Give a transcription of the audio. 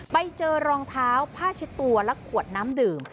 ไปเจอรองเท้าผ้าเช็ดตัวและขวดน้ำดื่ม